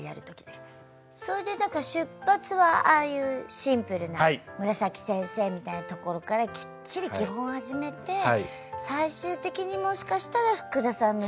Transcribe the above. それでだから出発はああいうシンプルなむらさき先生みたいなところからきっちり基本を始めて最終的にもしかしたら福田さんの域に。